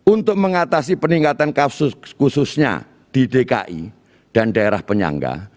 untuk mengatasi peningkatan kasus khususnya di dki dan daerah penyangga